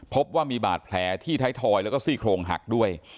พบว่ามีบาดแผลที่ท้ายทอยแล้วก็ซี่โครงหักด้วย